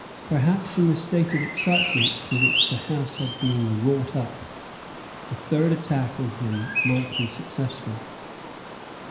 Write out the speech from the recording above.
Perhaps, in the state of excitement to which the House had been wrought up, a third attack on him might be successful.